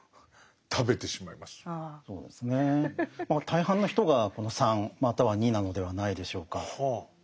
大半の人がこの３または２なのではないでしょうか。